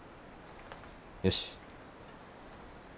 よし。